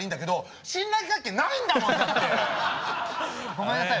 ごめんなさい。